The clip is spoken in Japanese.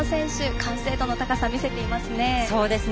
完成度の高さ、見せていますね。